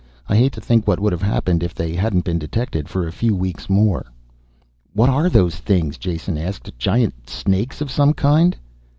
I hate to think what would have happened if they hadn't been detected for a few weeks more." "What are those things?" Jason asked. "Giant snakes of some kind?"